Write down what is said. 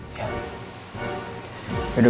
saya permisi pulang pak